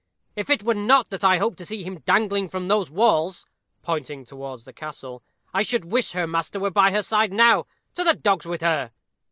If it were not that I hope to see him dangling from those walls" pointing towards the Castle "I should wish her master were by her side now. To the dogs with her."